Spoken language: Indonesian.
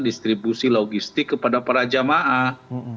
distribusi logistik kepada para jamaah